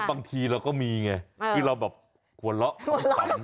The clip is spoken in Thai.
บางทีเราก็มีไงที่เราแบบหัวเราะของขวัญ